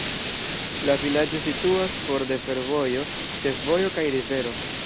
La vilaĝo situas for de fervojo, ĉefvojo kaj rivero.